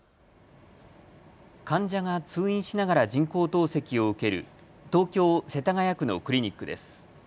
患者が通院しながら人工透析を受ける東京世田谷区のクリニックです。